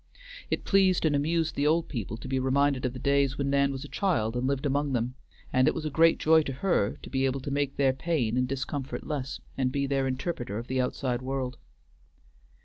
It pleased and amused the old people to be reminded of the days when Nan was a child and lived among them, and it was a great joy to her to be able to make their pain and discomfort less, and be their interpreter of the outside world.